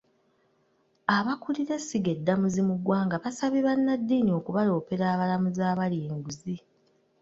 Abakulira essiga eddamuzi mu ggwanga, basabye bannaddiini okubaloopera abalamuzi abalya enguzi.